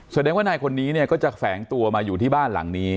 แสดงว่านายคนนี้เนี่ยก็จะแฝงตัวมาอยู่ที่บ้านหลังนี้